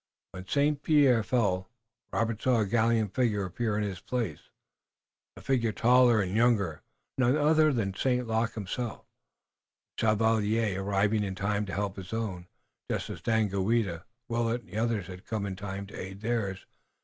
When St. Pierre fell Robert saw a gallant figure appear in his place, a figure taller and younger, none other than St. Luc himself, the Chevalier, arriving in time to help his own, just as Daganoweda, Willet and the others had come in time to aid theirs.